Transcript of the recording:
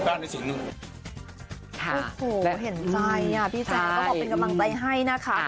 โอ้โหเห็นใจพี่แจ๊ต้องบอกเป็นกำลังใจให้นะคะ